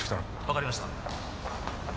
わかりました。